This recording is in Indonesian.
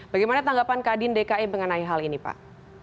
bagaimana tanggapan kadin dki mengenai hal ini pak